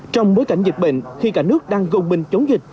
trong bối cảnh dịch bệnh khi cả nước đang gồm bình chống dịch